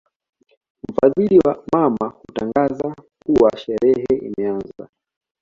Mfadhili wa mama hutangaza kuwa sherehe imeanza